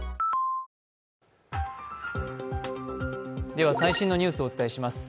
では最新のニュースをお伝えします。